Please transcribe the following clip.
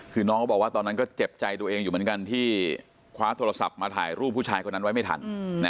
คือน้องก็บอกว่าตอนนั้นก็เจ็บใจตัวเองอยู่เหมือนกันที่คว้าโทรศัพท์มาถ่ายรูปผู้ชายคนนั้นไว้ไม่ทัน